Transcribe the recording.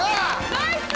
ナイス！